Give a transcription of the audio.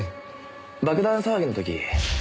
爆弾騒ぎの時。